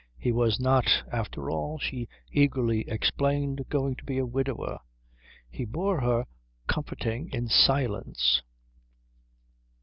He was not, after all, she eagerly explained, going to be a widower. He bore her comforting in silence.